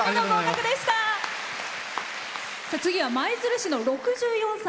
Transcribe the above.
次は舞鶴市の６４歳。